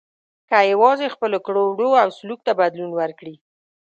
که یوازې خپلو کړو وړو او سلوک ته بدلون ورکړي.